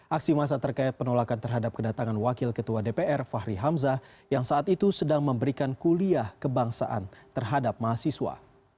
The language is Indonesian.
aksi masa terkait penolakan terhadap kedatangan wakil ketua dpr fahri hamzah yang saat itu sedang memberikan kuliah kebangsaan terhadap mahasiswa